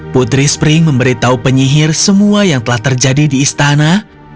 putri spring memberitahu penyihir semua yang telah terjadi di istana